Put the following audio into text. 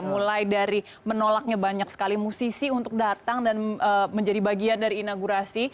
mulai dari menolaknya banyak sekali musisi untuk datang dan menjadi bagian dari inaugurasi